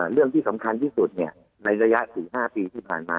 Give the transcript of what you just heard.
เรื่องที่สำคัญที่สุดในระยะ๔๕ปีที่ผ่านมา